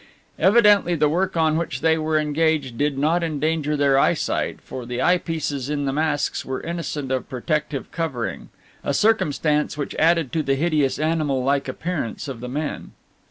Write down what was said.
Evidently the work on which they were engaged did not endanger their eyesight, for the eye pieces in the masks were innocent of protective covering, a circumstance which added to the hideous animal like appearance of the men.